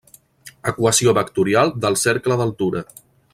Equació vectorial del Cercle d'Altura.